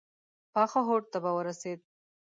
پاخه هډ ته به ورسېد.